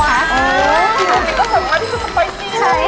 ว้าวอันนี้ก็สำคัญที่สไปซี่